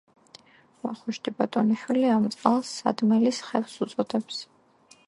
ვახუშტი ბატონიშვილი ამ წყალს „სადმელის ხევს“ უწოდებს.